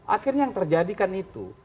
akhirnya yang terjadikan itu